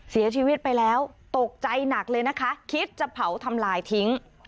เสียชีวิตไปแล้วตกใจหนักเลยนะคะคิดจะเผาทำลายทิ้ง